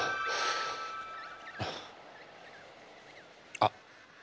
あっ。